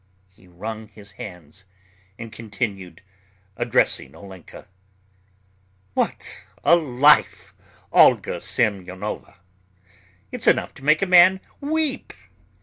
He wrung his hands, and continued, addressing Olenka: "What a life, Olga Semyonovna! It's enough to make a man weep.